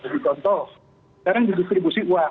jadi contoh sekarang juga distribusi uang